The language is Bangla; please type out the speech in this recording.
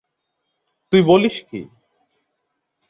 তুই বলিস কী!